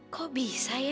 kok bisa ya